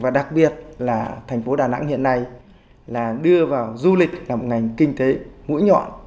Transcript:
và đặc biệt là thành phố đà nẵng hiện nay là đưa vào du lịch là một ngành kinh tế mũi nhọn